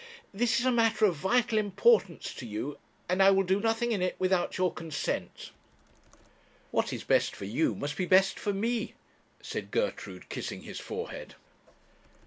'This is a matter of vital importance to you, and I will do nothing in it without your consent.' 'What is best for you must be best for me,' said Gertrude, kissing his forehead.